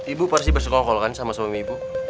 ibu pasti bersekongkol kan sama suami ibu